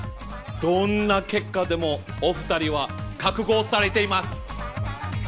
どんな結果でもお２人は覚悟されています。